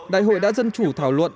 đại hội đã dân chủ thảo luận